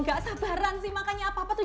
gak sabaran sih makanya apa apa tuh